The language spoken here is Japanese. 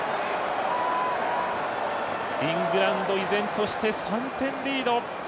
イングランド依然として３点リード。